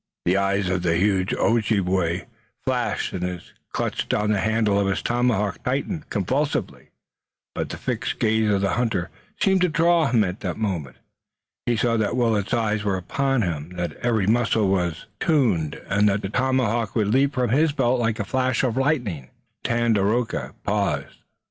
The eyes of the huge Ojibway flashed and his clutch on the handle of his tomahawk tightened convulsively, but the fixed gaze of the hunter seemed to draw him at that moment. He saw that Willet's eyes were upon him, that every muscle was attuned and that the tomahawk would leap from his belt like a flash of lightning, and seeing, Tandakora paused.